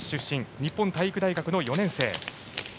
日本体育大学の４年生。